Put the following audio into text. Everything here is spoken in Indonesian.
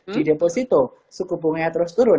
di deposito suku bunganya terus turun